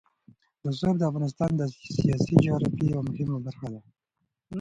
رسوب د افغانستان د سیاسي جغرافیه یوه مهمه برخه ده.